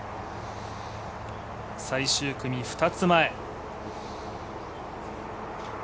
最終組２つ前。